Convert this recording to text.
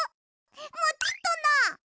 モチっとな！